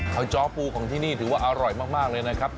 จ้อปูของที่นี่ถือว่าอร่อยมากเลยนะครับ